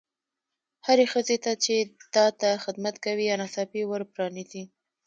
هرې هغې ښځې ته چې تا ته خدمت کوي یا ناڅاپي ور پرانیزي.